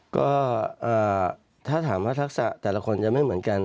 ก็ถ้าถามว่าทักษะแต่ละคนจะไม่เหมือนกัน